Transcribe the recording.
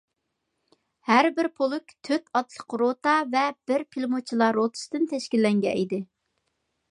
ھەربىر پولك تۆت ئاتلىق روتا ۋە بىر پىلىموتچىلار روتىسىدىن تەشكىللەنگەن ئىدى.